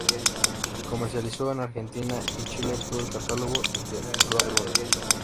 Comercializó en Argentina y Chile todo el catálogo de Roadrunner.